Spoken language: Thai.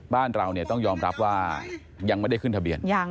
บ้านเราต้องยอมรับว่ายังไม่ได้ขึ้นทะเบียน